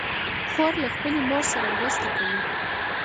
خور له خپلې مور سره مرسته کوي.